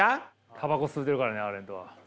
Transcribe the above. タバコ吸うてるからねアーレントは。